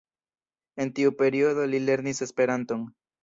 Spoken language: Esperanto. En tiu periodo li lernis Esperanton.